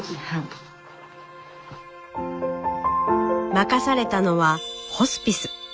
任されたのはホスピス。